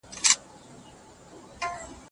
که کتابچه وي نو نوټ نه ورکیږي.